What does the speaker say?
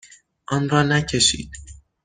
آن را نکشید.